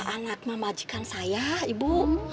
anak mah majikan saya ibu